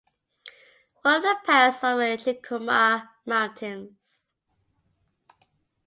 One of the pass over the Chikuma mountains.